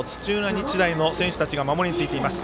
日大の選手たちが守りにつきました。